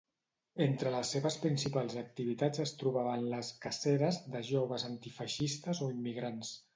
Entre les seves principals activitats es trobaven les ‘caceres’ de joves antifeixistes o immigrants.